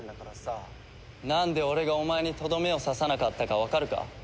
なんで俺がお前にとどめを刺さなかったかわかるか？